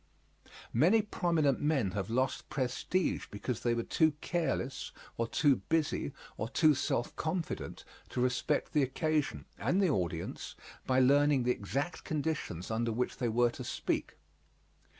Many prominent men have lost prestige because they were too careless or too busy or too self confident to respect the occasion and the audience by learning the exact conditions under which they were to speak.